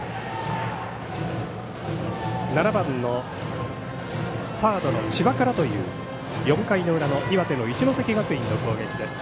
７番のサードの千葉からという４回の裏の岩手の一関学院の攻撃です。